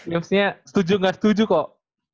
maksudnya setuju nggak setuju kok